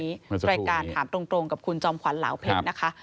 รายการถามตรงกับคุณจอมขวัญเหลาเพชรนะคะ